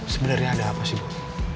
sebenernya ada apa sih boy